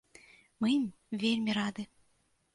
Мы ім вельмі рады.